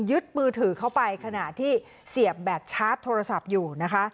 ยึดมือถือเข้าไปขณะที่เสียบแบตชาร์จโทรศัพท์อยู่นะคะ